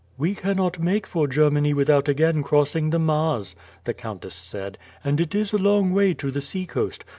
"We cannot make for Germany without again crossing the Maas," the countess said, "and it is a long way to the sea coast.